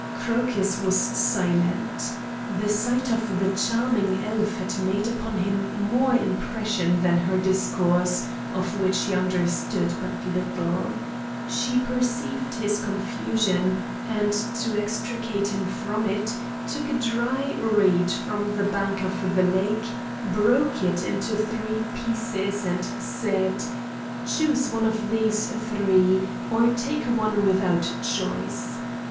Crocus was silent. The sight of the charming elf had made upon him more impression than her discourse, of which he understood but little. She perceived his confusion, and to extricate him from it took a dry reed from the bank of the lake, broke it into three pieces, and said: "Choose one of these three, or take one without choice.